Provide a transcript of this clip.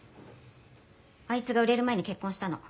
あいつが売れる前に結婚したの。